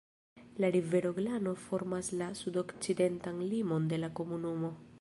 La rivero Glano formas la sudokcidentan limon de la komunumo.